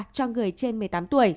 cho người trên một mươi tám tuổi